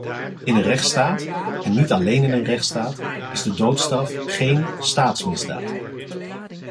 In een rechtsstaat, en niet alleen in een rechtsstaat, is de doodstraf geen staatsmisdaad.